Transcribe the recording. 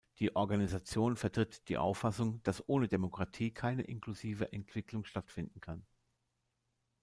Die Organisation vertritt die Auffassung, dass ohne Demokratie keine inklusive Entwicklung stattfinden kann.